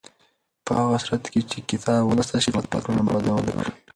په هغه صورت کې چې کتاب ولوستل شي، غلط فکرونه به وده ونه کړي.